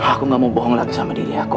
aku gak mau bohong lah sama diri aku